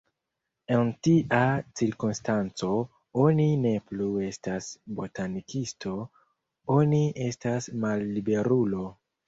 En tia cirkonstanco, oni ne plu estas botanikisto, oni estas malliberulo.